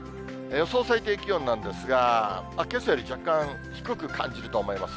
予想最低気温なんですが、けさより若干低く感じると思います。